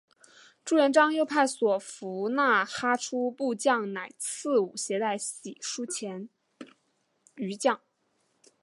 朱元璋又派所俘纳哈出部将乃剌吾携带玺书前去谕降。